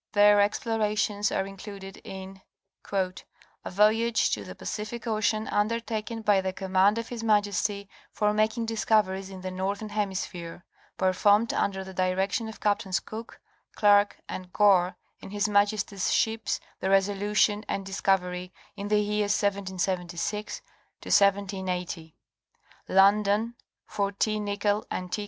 Their explorations are included in "A voyage to the Pacific Ocean, undertaken by the command of his Majesty, for making discoveries in the northern hemis phere, [etc.], performed under the direction of captains Cook, Clerke and Gore, in his Majesty's ships the Resolution and Dis covery, in the years 1776 1780. London, for T. Nicol and T.